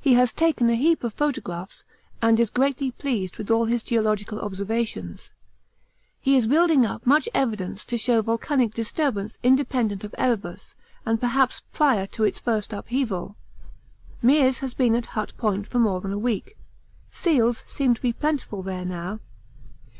He has taken a heap of photographs and is greatly pleased with all his geological observations. He is building up much evidence to show volcanic disturbance independent of Erebus and perhaps prior to its first upheaval. Meares has been at Hut Point for more than a week; seals seem to be plentiful there now.